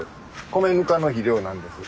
米ぬかの肥料なんです。